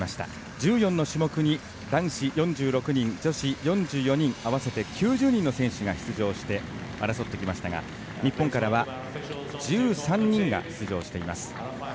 １４の種目に男子４６人女子４４人合わせて９０人選手が出場して争われてきましたが日本からは１３人が出場しています。